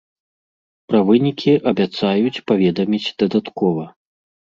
Пра вынікі абяцаюць паведаміць дадаткова.